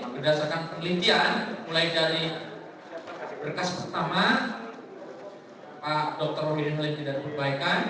berdasarkan penelitian mulai dari berkas pertama pak dr wahidin halim tidak berbaikan